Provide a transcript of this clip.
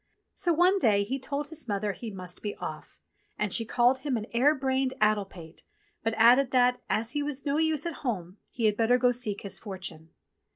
So one day he told his mother he must be off, and she called him an air brained addle pate, but added that, as he was no use at home, he had better go seek his fortune.